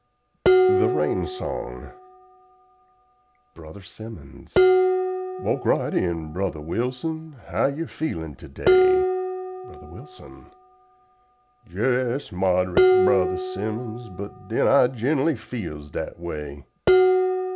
THE RAIN SONG Bro. Simmons "Walk right in Brother Wilson how you feelin' today?" Bro. Wilson "Jes Mod'rate, Brother Simmons, but den I ginnerly feels dat way."